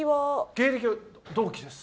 芸歴は同期です。